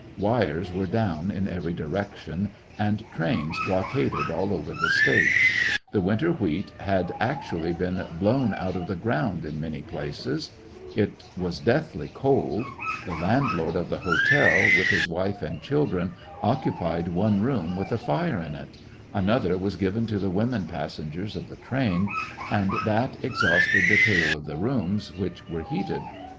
Wires were down in every diree _ tion and trains blockaded all over the State, I The winter wheat had actuaUy been blown i out of the ground in many places. It was Th£y called it a hotel l^coCCections of a Ventilation through the mop board deathly cold. The landlord of the hotel, with his wife and children, occupied one room with a fire in it 5 another was given to the women passengers of the train ; and that exhausted the tale of the rooms which were heated.